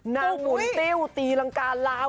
นางุ่นติ้วตีลังการลาว